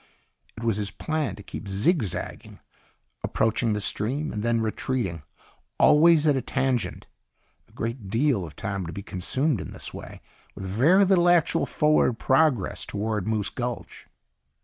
It was his plan to keep zigzagging, approaching the stream and then retreating, always at a tangent. A great deal of time would be consumed in this way, with very little actual forward progress toward Moose Gulch.